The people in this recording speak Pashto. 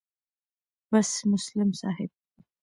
بس مسلم صاحب